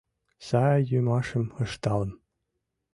Сай йӱмашым ышталам».